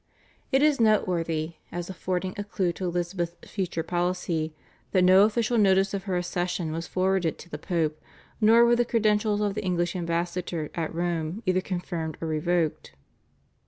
It is noteworthy, as affording a clue to Elizabeth's future policy, that no official notice of her accession was forwarded to the Pope, nor were the credentials of the English ambassador at Rome either confirmed or revoked.